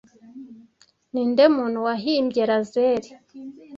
Ninde muntu wahimbye lazeri